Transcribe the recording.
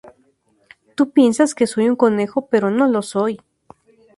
Tú piensas que soy un conejo pero no lo soy.